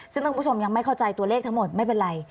ซึ่งถ้าคุณผู้ชมยังไม่เข้าใจตัวเลขทั้งหมดไม่เป็นไร